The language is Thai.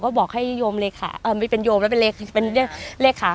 ก็บอกให้โยมเลขาเออไม่เป็นโยมเป็นเลขา